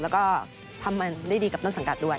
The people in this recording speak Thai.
ก็ทำให้นั่นได้ดีขอบคุณสังกัดด้วย